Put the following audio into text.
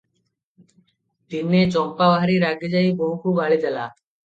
ଦିନେ ଚମ୍ପା ଭାରି ରାଗିଯାଇ ବୋହୂକୁ ଗାଳିଦେଲା ।